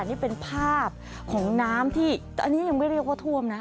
นี่เป็นภาพของน้ำที่ตอนนี้ยังไม่เรียกว่าท่วมนะ